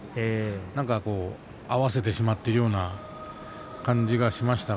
何か合わせてしまっているような感じがしました。